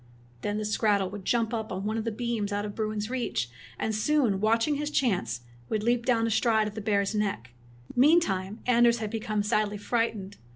Then the skrattel would jump up on one of the beams out of Bruin's reach; and soon, watching his chance, would leap down astride of the bear's neck. Meantime Anders had become sadly fright ened.